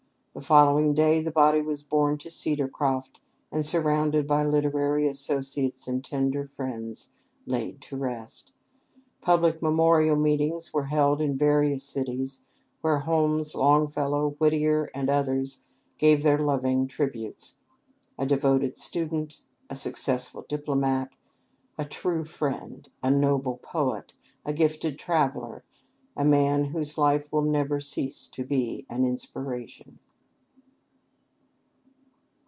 The following day the body was borne to "Cedarcroft," and, surrounded by literary associates and tender friends, laid to rest. Public memorial meetings were held in various cities, where Holmes, Longfellow, Whittier, and others gave their loving tributes. A devoted student, a successful diplomat, a true friend, a noble poet, a gifted traveller, a man whose life will never cease to be an inspiration.